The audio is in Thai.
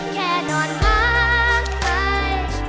แค่นอนพักไป